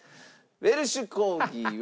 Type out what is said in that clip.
ウェルシュ・コーギーは。